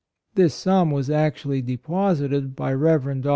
This sum was actually deposited by Rev. Dr.